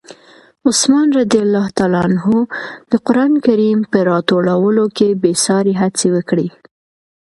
عثمان رض د قرآن کریم په راټولولو کې بې ساري هڅې وکړې.